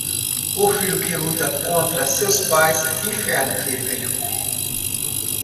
O filho que luta contra seus pais, inferno que ele ganhou.